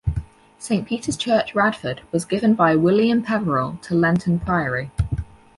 Saint Peter's Church, Radford was given by William Peveril to Lenton Priory.